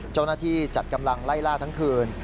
เจ้าหน้าที่จัดกำลังไล่ล่าทั้งคืน